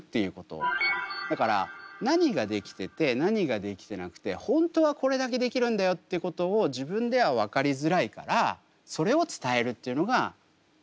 だから何ができてて何ができてなくて本当はこれだけできるんだよっていうことを自分では分かりづらいからそれを伝えるっていうのがスタートだったかなと思います。